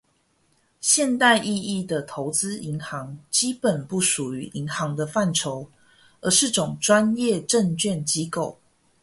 现代意义的投资银行基本不属于银行的范畴，而是种专业证券机构。